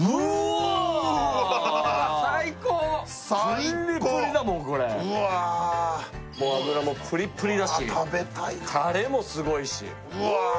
最高プリプリだもんこれうわ脂もプリプリだし食べたいなタレもすごいしうわ